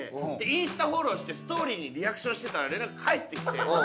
インスタフォローしてストーリーにリアクションしてたら連絡返ってきて。